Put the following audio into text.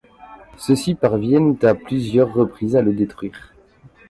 Ceux-ci parviennent à plusieurs reprises à le détruire.